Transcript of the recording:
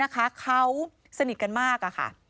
เขาสนิทกันมาก